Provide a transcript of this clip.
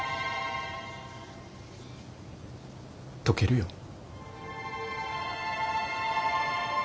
溶けるよ。